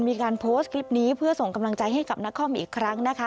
มีการโพสต์คลิปนี้เพื่อส่งกำลังใจให้กับนครอีกครั้งนะคะ